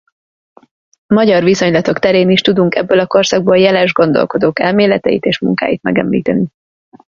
Magyar viszonylatok terén is tudunk ebből a korszakból jeles gondolkodók elméleteit és munkáit megemlíteni.